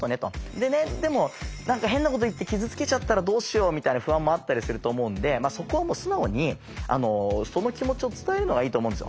でねでも何か変なこと言って傷つけちゃったらどうしようみたいな不安もあったりすると思うんでそこはもう素直にその気持ちを伝えるのがいいと思うんですよ。